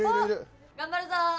頑張るぞ！